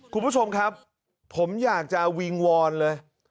คุณผู้ชมครับผมอยากจะวิงวอนเลย